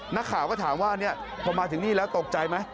นักข่าวก็ถามว่าพอมาถึงนี่แล้วตกใจไหม